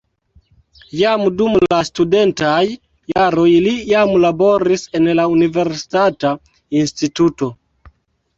Jam dum la studentaj jaroj li jam laboris en la universitata instituto.